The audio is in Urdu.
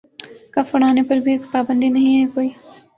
کف اُڑانے پہ بھی پابندی نہیں ہے کوئی